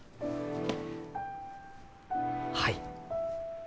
はい。